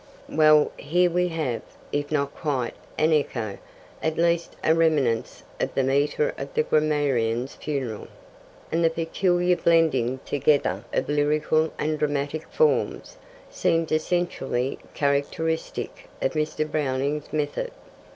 Well, here we have, if not quite an echo, at least a reminiscence of the metre of The Grammarian's Funeral; and the peculiar blending together of lyrical and dramatic forms, seems essentially characteristic of Mr. Browning's method.